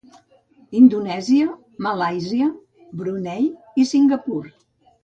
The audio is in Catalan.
Indonèsia, Malàisia, Brunei i Singapur.